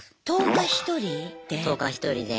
１０日１人で。